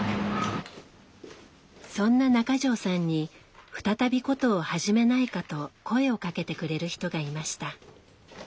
そんな中条さんに再び箏を始めないかと声をかけてくれる人がいました。